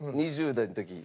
２０代の時に。